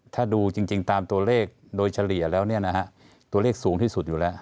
ถ้าดูจริงตามตัวเลขโดยเฉลี่ยแล้วเนี่ยนะฮะตัวเลขสูงที่สุดอยู่แล้ว